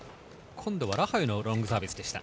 今度はラハユのロングサービスでした。